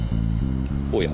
おや。